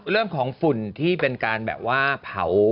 เรื่องของฝุ่นที่เป็นการแบบว่าเผา